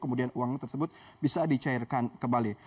kemudian uang tersebut bisa dicairkan kembali